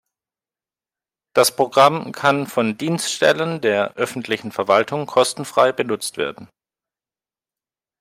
Das Programm kann von Dienststellen der öffentlichen Verwaltung kostenfrei benutzt werden.